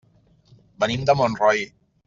Venim de Montroi.